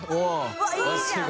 うわっいいじゃん！